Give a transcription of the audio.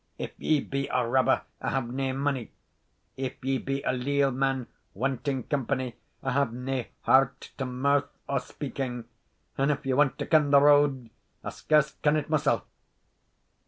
"If ye be a robber, I have nae money; if ye be a leal man, wanting company, I have nae heart to mirth or speaking; and if ye want to ken the road, I scarce ken it mysell."